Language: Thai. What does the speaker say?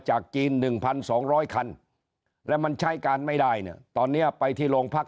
จากจีน๑๒๐๐คันแล้วมันใช้การไม่ได้เนี่ยตอนนี้ไปที่โรงพัก